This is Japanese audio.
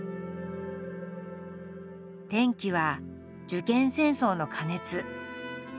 転機は受験戦争の過熱。